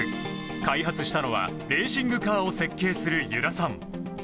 開発したのはレーシングカーを設計する由良さん。